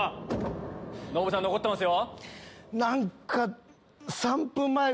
ノブさん残ってますよ。